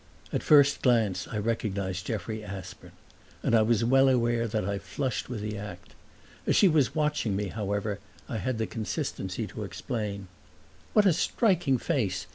At the first glance I recognized Jeffrey Aspern, and I was well aware that I flushed with the act. As she was watching me however I had the consistency to exclaim, "What a striking face!